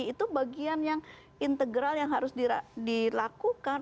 itu bagian yang integral yang harus dilakukan